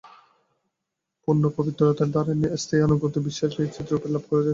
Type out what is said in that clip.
পূর্ণ পবিত্রতা দ্বারাই স্থায়ী আনুগত্য ও বিশ্বাস নিশ্চিতরূপে লাভ করা যায়।